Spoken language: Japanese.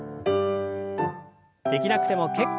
できなくても結構です。